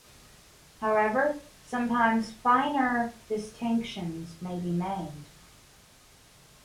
However, sometimes finer distinctions may be made.